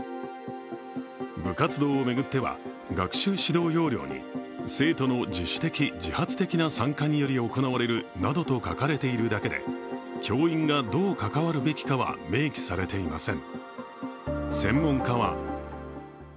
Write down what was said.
部活動を巡っては、学習指導要領に生徒の自主的、自発的な参加により行われるなどと書かれているだけで教員がどう関わるべきかは明記されていません。